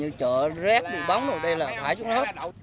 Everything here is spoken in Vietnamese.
mùi chất thải gia súc